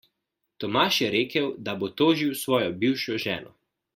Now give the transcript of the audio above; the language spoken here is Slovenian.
Tomaž je rekel, da bo tožil svojo bivšo ženo.